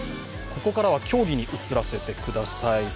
ここからは競技に移らせてください。